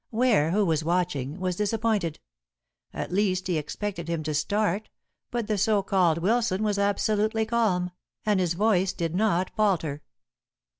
Ware, who was watching, was disappointed. At least he expected him to start, but the so called Wilson was absolutely calm, and his voice did not falter.